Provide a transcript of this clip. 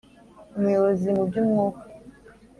umuyobozi mu by’umwuka